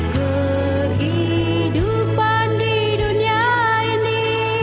kehidupan di dunia ini